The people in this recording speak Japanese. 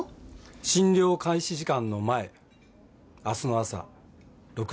診療開始時間の前明日の朝６時から。